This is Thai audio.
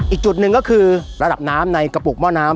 อีกจุดหนึ่งก็คือระดับน้ำในกระปุกหม้อน้ำ